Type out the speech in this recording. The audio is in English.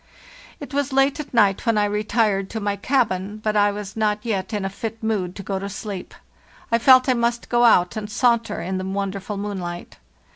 "It was late at night when I retired to my cabin, but I was not yet in a fit mood to go to sleep. I felt I must go out and saunter in the wonderful moonlight.